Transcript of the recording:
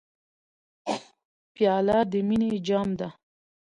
پیاله د مینې جام ده.